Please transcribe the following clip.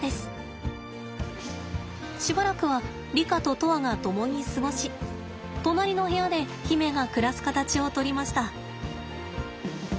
しばらくはリカと砥愛が共に過ごし隣の部屋で媛が暮らす形をとりました。